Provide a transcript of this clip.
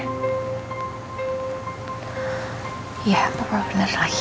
iya apa apa bener lagi